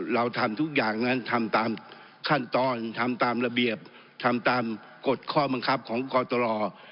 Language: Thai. เราทำทุกอย่างนั้นทำตามขั้นตอนทำตามระเบียบทำตามกฎข้อบังคับของกตร